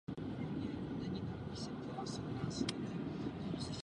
Singlové tituly na něm získali Čech Radek Štěpánek a Běloruska Viktoria Azarenková.